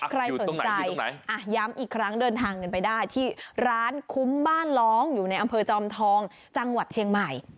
ใครสนใจย้ำอีกครั้งเดินทางกันไปได้ที่ร้านคุ้มบ้านร้องอยู่ในอำเภอจอมทองจังหวัดเชียงใหม่